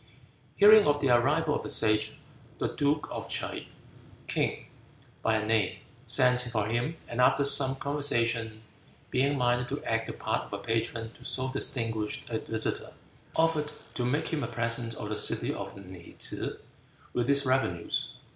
Hearing of the arrival of the Sage, the duke of T'se King, by name sent for him, and after some conversation, being minded to act the part of a patron to so distinguished a visitor, offered to make him a present of the city of Lin k'ew with its revenues.